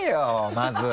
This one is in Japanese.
まず。